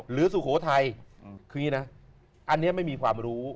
สุโขทัยคืออย่างนี้นะอันนี้ไม่มีความรู้